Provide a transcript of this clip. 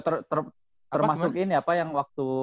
termasuk ini apa yang waktu